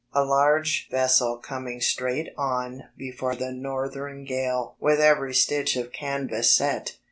a large vessel coming straight on before the northern gale with every stitch of canvas set.